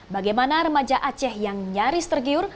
bagaimana remaja aceh yang nyaris tergiur